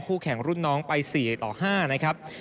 แข่งรุ่นน้องไป๔ต่อ๕นะครับ